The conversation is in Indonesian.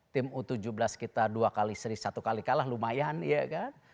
tim u tujuh belas kita dua kali seri satu kali kalah lumayan ya kan